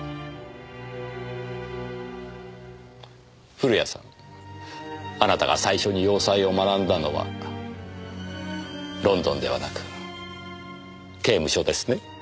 古谷さんあなたが最初に洋裁を学んだのはロンドンではなく刑務所ですね。